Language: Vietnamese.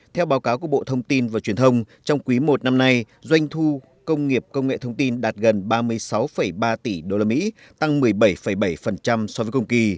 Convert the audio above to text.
theo báo cáo của bộ thông tin và truyền thông trong quý i năm nay doanh thu công nghiệp công nghệ thông tin đạt gần ba mươi sáu ba tỷ usd tăng một mươi bảy bảy so với cùng kỳ